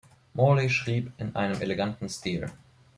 Morley schrieb in einem eleganten Stil.